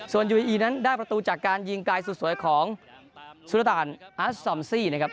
ส่วนยูอีนั้นได้ประตูจากการยิงไกลสุดสวยของสุรตานอัสซอมซี่นะครับ